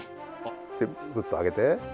でグッと上げて。